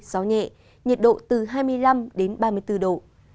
gió nhẹ nhiệt độ từ hai mươi năm đến ba mươi bốn độ